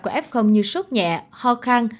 của f như sốt nhẹ ho khang